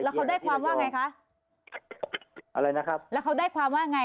เขาได้ความว่าไงคะอะไรนะครับแล้วเขาได้ความว่าไง